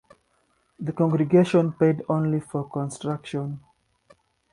The congregation paid only for construction.